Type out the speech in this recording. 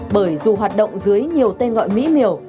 bởi dù hoạt động dưới nhiều tên gọi mỹ miều